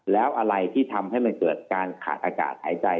แล้วอะไรที่ทำให้มันเกิดการขาดอากาศหายใจ